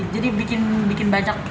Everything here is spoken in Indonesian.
jadi bikin banyak